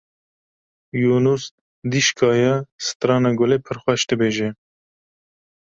Yûnûs dîşkaya strana Gulê pir xweş dibêje.